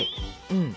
うん。